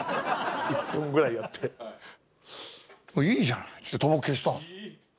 １分ぐらいやって「いいじゃない」っつってたばこ消したんすよ。